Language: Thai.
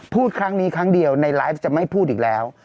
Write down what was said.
พูดครั้งนี้ครั้งเดียวในไลฟ์จะไม่พูดอีกแล้ว